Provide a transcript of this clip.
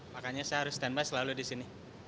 makanya saya harus stand by selalu di sini